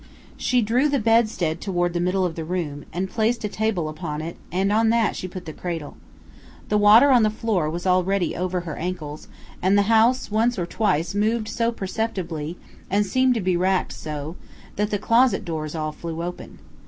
She drew the bedstead toward the middle of the room, and placed a table upon it and on that she put the cradle. The water on the floor was already over her ankles, and the house once or twice moved so perceptibly, and seemed to be racked so, that the closet doors all flew open.